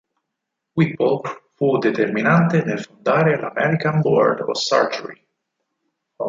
Whipple fu determinante nel fondare l"'American Board of Surgery".